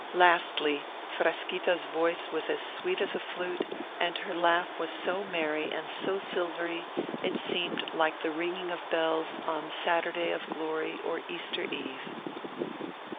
Lastly, Frasquita's voice was as sweet as a flute, and her laugh was so merry and so silvery it seemed like the ringing of bells on Saturday of Glory or Easter Eve.